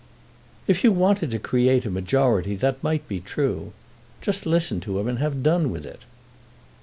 "If you wanted to create a majority that might be true. Just listen to him and have done with it."